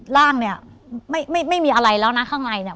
ร่างเนี่ยไม่มีอะไรแล้วนะข้างในเนี่ย